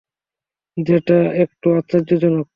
যেটা একটু আশ্চর্যজনক।